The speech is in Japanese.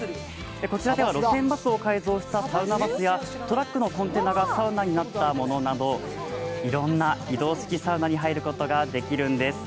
こちらでは路線バスを改造したサウナバスやトラックのコンテナがサウナになったものなどいろんな移動式サウナに入ることができるんです。